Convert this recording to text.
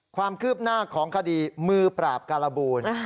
ความคืบหน้าของคดีมือปราบการบูล